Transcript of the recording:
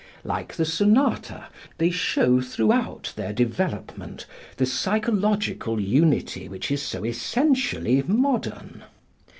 Like the sonata, they show throughout their development the psychological unity which is so essentially modern.